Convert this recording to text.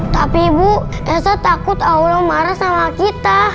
tapi bu esa takut allah marah sama kita